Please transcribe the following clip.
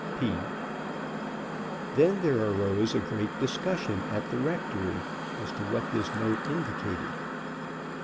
P.P." Then there arose a great discussion at the rectory as to what this note indicated.